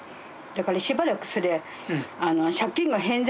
だからしばらく。